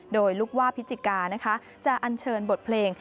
โดยลูกว่าพิจิกานะคะจะอันเชิญบทเพลง